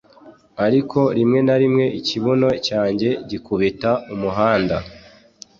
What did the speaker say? Ariko rimwe na rimwe ikibuno cyanjye gikubita umuhanda